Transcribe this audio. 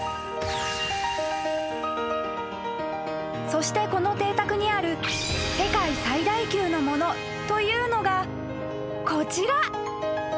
［そしてこの邸宅にある世界最大級のものというのがこちら］